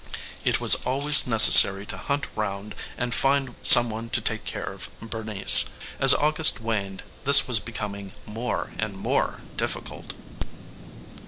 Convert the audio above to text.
It was always necessary to hunt round and find some one to take care of Bernice. As August waned this was becoming more and more difficult.